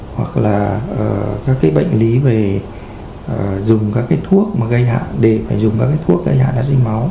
hoặc là các cái bệnh lý về dùng các cái thuốc mà gây hạ nát ri máu